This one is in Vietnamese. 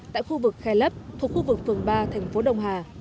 tại khu vực khe lấp thuộc khu vực phường ba thành phố đông hà